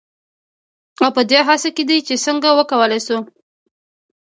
او پـه دې هـڅـه کې دي چـې څـنـګه وکـولـى شـي.